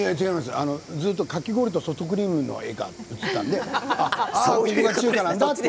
ずっとかき氷とソフトクリームの絵が映っていたので中華なんだって。